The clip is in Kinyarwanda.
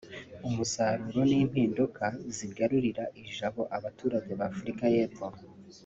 umusaruro n’impinduka zigarurira ijabo abaturage ba Afurika y’Epfo